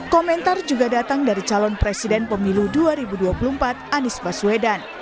komentar juga datang dari calon presiden pemilu dua ribu dua puluh empat anies baswedan